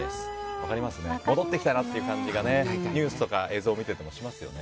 分かりますね戻ってきたなという感じがニュースとか映像見てても思いますね。